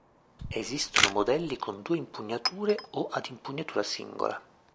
Esistono modelli con due impugnature o ad impugnatura singola.